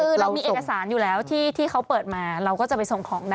คือเรามีเอกสารอยู่แล้วที่เขาเปิดมาเราก็จะไปส่งของได้